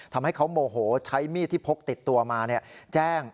ทำให้เขาโมโหใช้มีดที่พกติดตัวมาแจ้ง